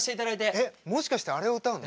えっもしかしてあれを歌うの？